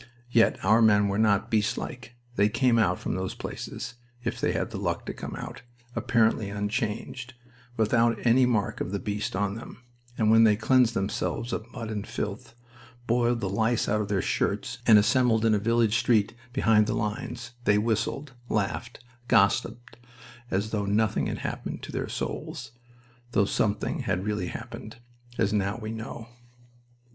Yet our men were not beast like. They came out from those places if they had the luck to come out apparently unchanged, without any mark of the beast on them, and when they cleansed themselves of mud and filth, boiled the lice out of their shirts, and assembled in a village street behind the lines, they whistled, laughed, gossiped, as though nothing had happened to their souls though something had really happened, as now we know.